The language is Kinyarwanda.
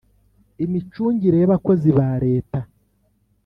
imicungire yabakozi ba reta